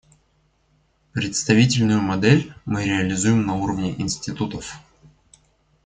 Представительную модель мы реализуем на уровне институтов.